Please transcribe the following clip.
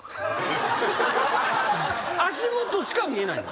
足元しか見えないの？